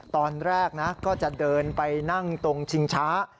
ตอนแรกนะก็จะเดินไปนั่งตรงชิงช้า